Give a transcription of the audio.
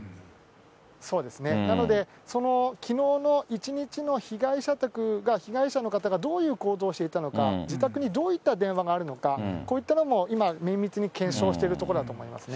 そうですね、なので、そのきのうの一日の被害者宅が、被害者の方がどういう行動をしていたのか、自宅にどういった電話があるのか、こういったのも、綿密に検証しているところだと思いますね。